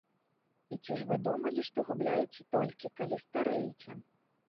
І ці ж вы думалі, што губляеце толькі, калі старэеце?